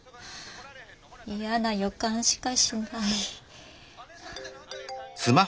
嫌な予感しかしない。